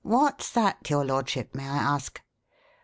What's that, your lordship, may I ask?"